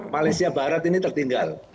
malaysia barat ini tertinggal